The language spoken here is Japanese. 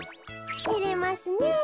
てれますねえ。